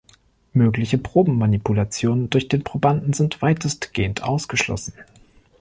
Mögliche Proben-Manipulationen durch den Probanden sind weitestgehend ausgeschlossen.